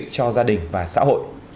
cho gia đình và xã hội